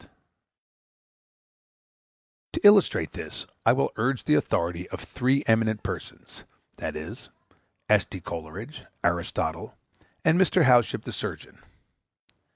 ] To illustrate this, I will urge the authority of three eminent persons, viz., S.T. Coleridge, Aristotle, and Mr. Howship the surgeon.